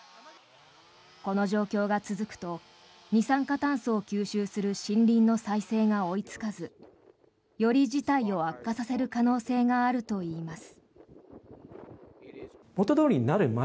この状況が続くと二酸化炭素を吸収する森林の再生が追いつかずより事態を悪化させる可能性があるといいます。